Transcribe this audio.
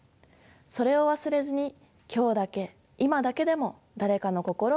それを忘れずに今日だけ今だけでも誰かの心を受け取ってみてください。